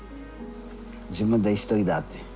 自分で一人だって。